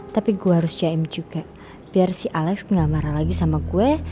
tapi gue harus jim juga biar si alex gak marah lagi sama gue